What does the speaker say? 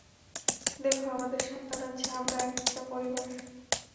দেখো আমাদের সন্তান আছে, আমরা একটা পরিবার।